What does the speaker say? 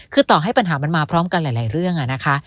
คือต่อให้ปัญหามันมาพร้อมกันหลายเรื่องนะคะ